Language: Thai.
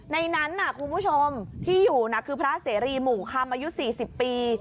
ในนั้นคุณผู้ชมที่อยู่น่ะคือพระเสรีหมู่คำอายุ๔๐ปี